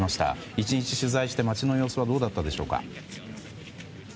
１日取材して街の様子はどうでしたか？